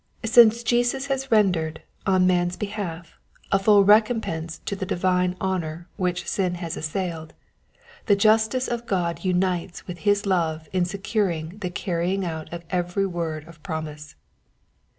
Since Jesus has rendered, on man's behalf, a full recom pense to the divine honor which sin has assailed, the justice of God unites with his love in securing the carrying out of every word of promise.